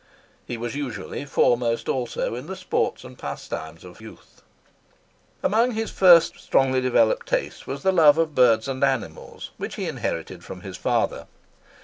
He was usually foremost also in the sports and pastimes of youth. Among his first strongly developed tastes was the love of birds and animals, which he inherited from his father.